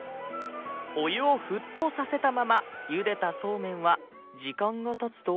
お湯を沸騰させたままゆでたそうめんは時間が経つと